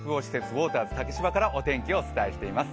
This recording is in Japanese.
ウォーターズ竹芝からお伝えしています。